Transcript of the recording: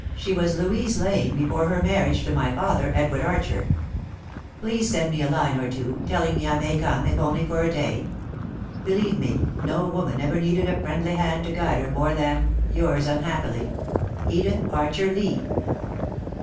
She was Louise Lane before her marriage to my father, Edward Archer. "'Please send me a line or two, telling me I may come, if only for a day. Believe me, no woman ever needed a friendly hand to guide her more than "'Yours unhappily, "'EDITH ARCHER LEE.'"